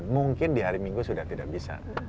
mungkin di hari minggu sudah tidak bisa